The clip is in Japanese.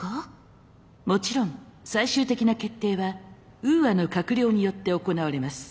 もちろん最終的な決定はウーアの閣僚によって行われます。